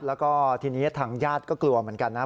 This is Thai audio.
แล้วก็ทีนี้ทางญาติก็กลัวเหมือนกันนะ